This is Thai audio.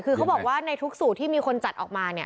คือเขาบอกว่าในทุกสูตรที่มีคนจัดออกมาเนี่ย